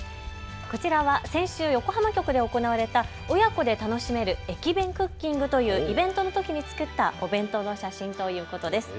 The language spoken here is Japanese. こちらは先週、横浜局で行われた親子で楽しめる駅弁クッキングというイベントのときに作ったお弁当の写真ということです。